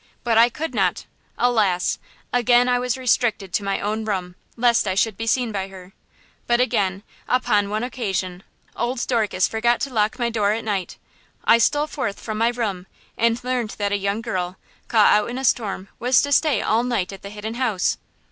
But I could not; alas, again I was restricted to my own room, lest I should be seen by her. But again, upon one occasion, old Dorcas forgot to lock my door at night. I stole forth from my room and learned that a young girl, caught out in the storm, was to stay all night at the Hidden House.